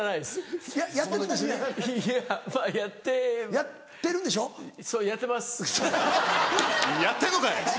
やってんのかい！